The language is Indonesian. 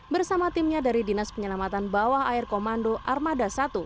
bersama timnya dari dinas penyelamatan bawah air komando armada satu